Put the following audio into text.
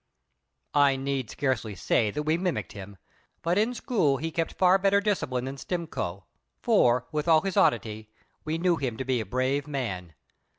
I need scarcely say that we mimicked him; but in school he kept far better discipline than Stimcoe, for, with all his oddity, we knew him to be a brave man.